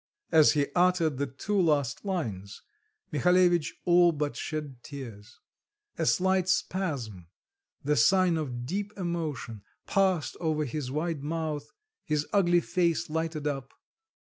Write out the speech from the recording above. As he uttered the two last lines, Mihalevitch all but shed tears; a slight spasm the sign of deep emotion passed over his wide mouth, his ugly face lighted up.